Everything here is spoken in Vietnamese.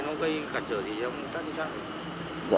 nó gây cản trở gì cho công tác di sản